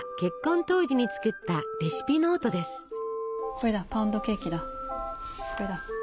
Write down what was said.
これだパウンドケーキだこれだ。